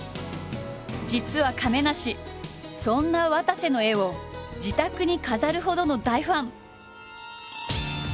実は亀梨そんなわたせの絵を自宅に飾るほどの大ファン！